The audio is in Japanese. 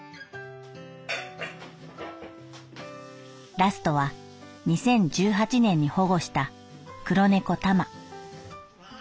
「ラストは二〇一八年に保護した黒猫タマ」。